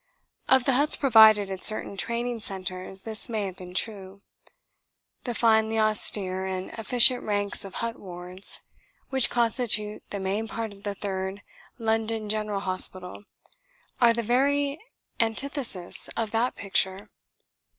Of the huts provided at certain training centres this may have been true. The finely austere and efficient ranks of hut wards which constitute the main part of the 3rd London General Hospital are the very antithesis of that picture.